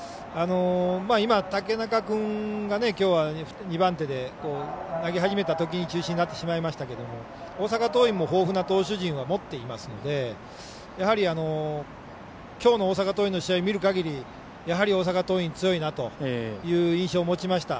今、竹中君がきょうは２番手で投げ始めたときに中止になってしまいましたけど大阪桐蔭も豊富な投手陣を持っていますのでやはり、きょうの大阪桐蔭の試合を見るかぎりやはり大阪桐蔭強いなという印象を持ちました。